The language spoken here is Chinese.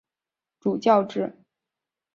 主教制。